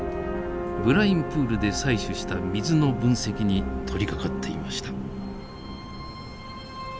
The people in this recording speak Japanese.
ブラインプールで採取した水の分析に取りかかっていました。